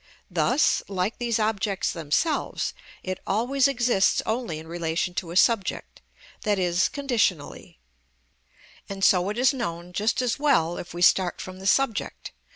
Thus, like these objects themselves, it always exists only in relation to a subject, that is, conditionally; and so it is known just as well if we start from the subject, _i.